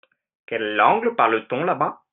Quelle langue parle-t-on là-bas ?